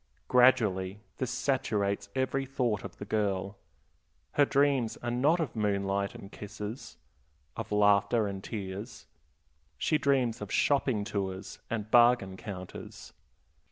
Gradually this saturates every thought of the girl; her dreams are not of moonlight and kisses, of laughter and tears; she dreams of shopping tours and bargain counters.